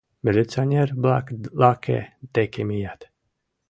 Милиционер-влак лаке деке мият.